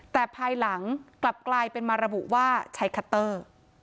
แต่ภายหลังกลับกลายเป็นมาระบุว่าใช้คัตเตอร์